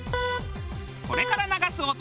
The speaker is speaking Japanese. これから流す音